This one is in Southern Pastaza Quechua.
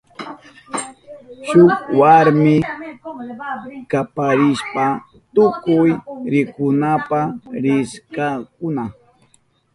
Shuk warmi kaparishpan tukuy rikunapa rishkakuna.